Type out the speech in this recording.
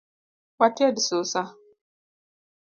Wated susa